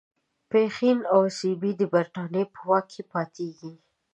پښین او سیبی د برټانیې په واک کې پاتیږي.